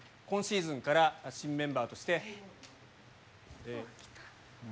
今シーズンから新メンバーとして。